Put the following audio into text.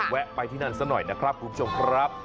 แวะไปที่นั่นซะหน่อยนะครับคุณผู้ชมครับ